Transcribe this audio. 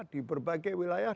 di berbagai wilayah